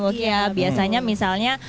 iya biasanya misalnya